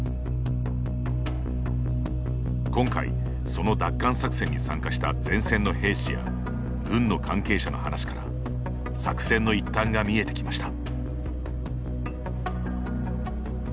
今回、その奪還作戦に参加した前線の兵士や軍の関係者の話から作戦の一端が見えてきました。